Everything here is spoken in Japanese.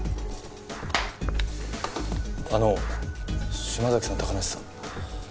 あの島崎さん高梨さん